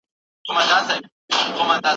علمي څېړنه د موجوده ستونزو حل لپاره ده.